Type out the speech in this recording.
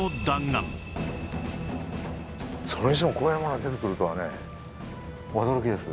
それにしてもこういうものが出てくるとはね驚きです。